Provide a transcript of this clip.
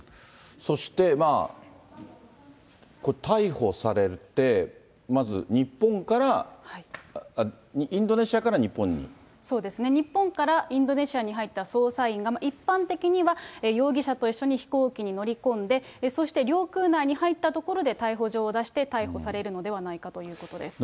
そして、これ逮捕されて、まず日本から、そうですね、日本からインドネシアに入った捜査員が一般的には容疑者と一緒に飛行機に乗り込んで、そして領空内に入ったところで、逮捕状を出して、逮捕されるのではないかということです。